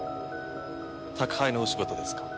宅配のお仕事ですか？